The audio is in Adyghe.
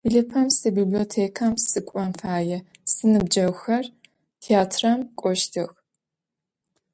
Blıpem se bibliotêkam sık'on faê, sinıbceğuxer têatram k'oştıx.